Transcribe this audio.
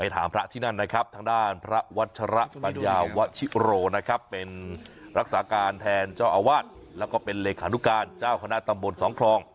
ตามพระที่นั่นนะครับพระวัจฉระปัญญาวัชโฌโรเป็นรักษากาลแทนเจ้าอวัตท์และเรขาหนุการเจ้าคณะตามบนสองครอง